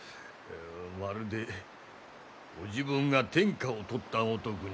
ああまるでご自分が天下を取ったごとくに。